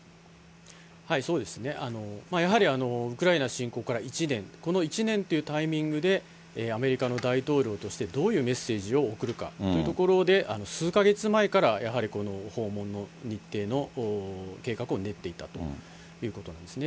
やはりウクライナ侵攻から１年、この１年というタイミングで、アメリカの大統領としてどういうメッセージを送るかというところで数か月前から、やはりこの訪問の日程の計画を練っていたということなんですね。